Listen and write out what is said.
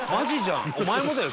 お前もだよ！